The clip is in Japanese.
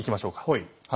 はい。